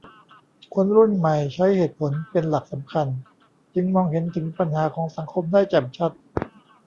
คนรุ่นใหม่ใช้เหตุผลเป็นหลักสำคัญจึงมองเห็นถึงปัญหาของสังคมได้แจ่มชัด